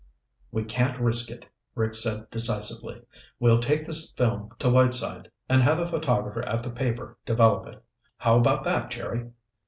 "We can't risk it," Rick said decisively. "We'll take this film to Whiteside and have the photographer at the paper develop it. How about that, Jerry?"